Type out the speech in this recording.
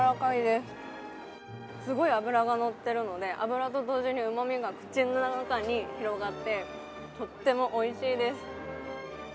すごい脂が乗っているので脂と同時にうまみが口の中に広がって、とってもおいしいです。